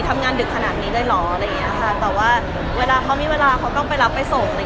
ทำงานดึกขนาดนี้ได้หรอแต่ว่าเวลาเขามีเวลาเขาต้องไปรับไปส่ง